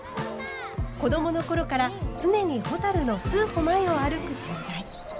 子どもの頃から常にほたるの数歩前を歩く存在。